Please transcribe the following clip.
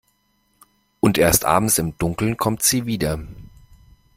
Und erst abends im Dunkeln kommt sie wieder.